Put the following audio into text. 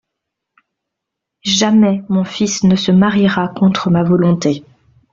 Jamais mon fils ne se mariera contre ma volonté.